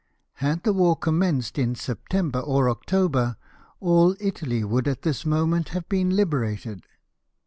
Had the war commenced in September or October, all Italy would at this moment have been liberated.